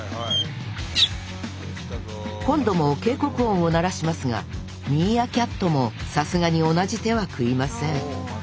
今度も警告音を鳴らしますがミーアキャットもさすがに同じ手は食いませんお前